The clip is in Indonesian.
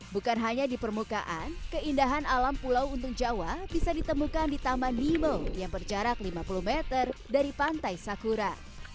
bukan hanya di permukaan keindahan alam pulau untung jawa bisa ditemukan di taman nemo yang berjarak lima puluh meter dari pantai sakura